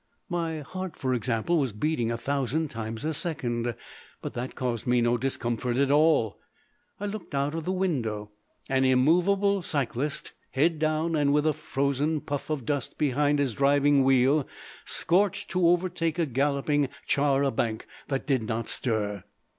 My heart, for example, was beating a thousand times a second, but that caused me no discomfort at all. I looked out of the window. An immovable cyclist, head down and with a frozen puff of dust behind his driving wheel, scorched to overtake a galloping char a banc that did not stir.